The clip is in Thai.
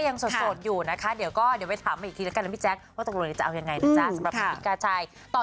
ยังสดอยู่นะคะเดี๋ยวก็เดี๋ยวไปถามอีกทีแล้วกันพี่แจ๊คว่าจะเอาอย่างไงนะครับค่ะใช่ตอน